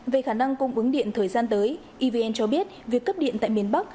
về khả năng cung ứng điện thời gian tới evn cho biết việc cấp điện tại miền bắc